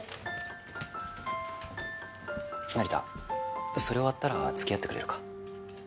成田それ終わったらつきあってくれるか？